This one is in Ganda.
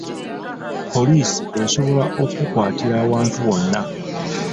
Poliisi esobola okukwatira awantu wonna.